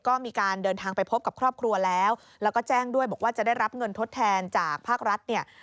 ก็มีการเดินทางไปพบกับครอบครัวแล้วแล้วก็แจ้งด้วยบอกว่าจะได้รับเงินทดแทนจากภาครัฐเนี่ย